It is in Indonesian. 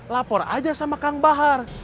lapor aja sama kang bahar